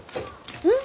うん？